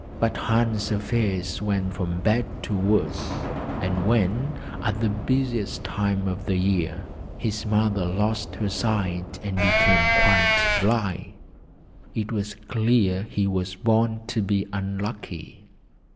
But Hans' affairs went from bad to worse, and when (at the busiest time of the year) his mother lost her sight and became quite blind it was clear he was born to be unlucky.